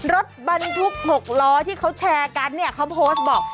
รถบรรทุก๖ล้อที่เขาแชร์กันเนี่ยเขาโพสต์บอก